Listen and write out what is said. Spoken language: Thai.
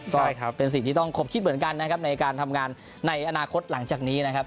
และเป็นสิทธิ์ที่ต้องคบคิดเหมือนกันในการทำงานในอนาคตหลังจากนี้นะครับ